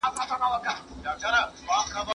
جګړه بس کړئ.